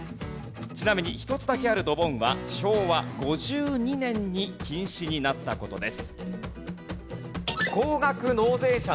ちなみに１つだけあるドボンは昭和５２年に禁止になった事です。